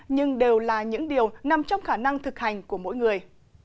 nhưng đều là những điều nằm trong khả năng thực hành của mỗi người